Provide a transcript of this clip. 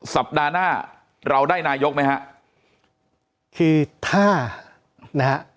สัปดาห์หน้าเราได้นายกไหมฮะคือถ้านะฮะ